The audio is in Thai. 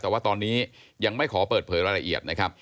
แต่ว่าตอนนี้ยังไม่ขอเปิดเผยรายละเอียดนะครับ